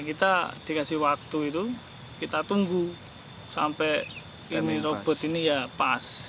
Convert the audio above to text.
kita dikasih waktu itu kita tunggu sampai robot ini ya pas